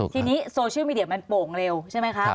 ทีนี้โซเชียลมีเดียมันโป่งเร็วใช่ไหมคะ